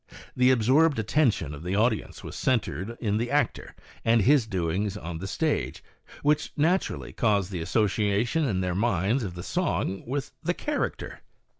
The absorbed attention of the audience was centred in the actor and his doings on the stage, which naturally caused the association in their minds of the song with the character.